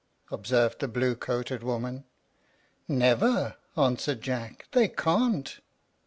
observed the blue coated woman. "Never," answered Jack; "they can't."